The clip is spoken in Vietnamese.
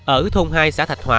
ở thôn hai xã thạch hòa